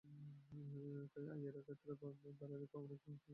তাই আয়ের খাতের কোনো দালিলিক প্রমাণপত্র হাইকমিশনে জমা দেওয়া সম্ভব হয়নি।